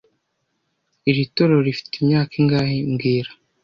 Iri torero rifite imyaka ingahe mbwira